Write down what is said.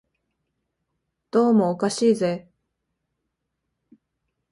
どうもおかしいぜ